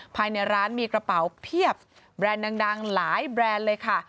ภายในร้านมีกระเป๋าเพียบแบรนด์ดังหลายแบรนด์เลยค่ะ